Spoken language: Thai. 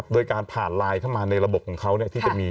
โดยการผ่านไลน์เข้ามาในระบบของเขาที่จะมี